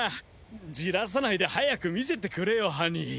じらさないで早く見せてくれよハニー。